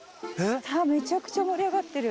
下めちゃくちゃ盛り上がってる。